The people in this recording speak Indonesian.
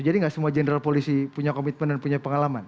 jadi enggak semua general polisi punya komitmen dan punya pengalaman